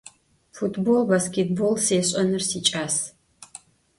Futbol, baskêtbol sêş'enır siç'as.